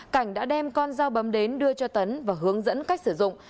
cảnh đã đem con dao bấm đến đưa cho tấn và hướng dẫn cách sử dụng